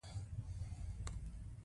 دا عاجله شېبه نور ځواکونه غواړي